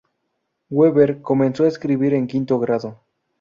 Weber comenzó a escribir en quinto grado.